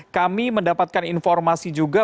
kami mendapatkan informasi juga